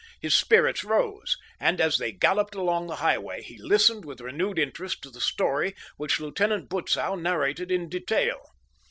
His spirits rose, and as they galloped along the highway, he listened with renewed interest to the story which Lieutenant Butzow narrated in detail.